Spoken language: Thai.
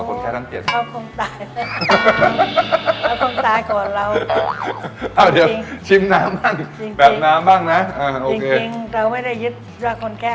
ไม่ใช่จริงแค่แต่ไปบอกว่าเราไม่ใช่คนแค่